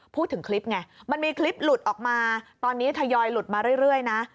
พูดถึงคลิปไงมันมีคลิปหลุดออกมาตอนนี้ทยอยหลุดมาเรื่อยนะ